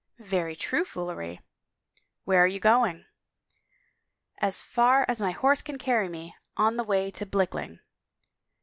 " Very true foolery." "Where are you going?" " As far as my horse can carry me on the way to Blickling."